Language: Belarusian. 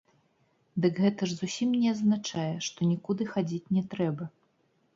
Дык гэта ж зусім не азначае, што нікуды хадзіць не трэба.